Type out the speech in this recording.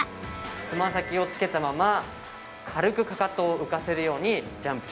つま先をつけたまま軽くかかとを浮かせるようにジャンプします。